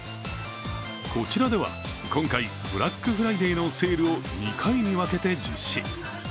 こちらでは今回ブラックフライデーのセールを２回に分けて実施。